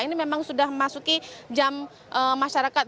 ini memang sudah memasuki jam masyarakat